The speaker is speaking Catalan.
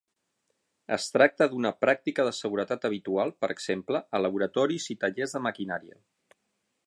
Es tracta d'una pràctica de seguretat habitual, per exemple, a laboratoris i tallers de maquinària.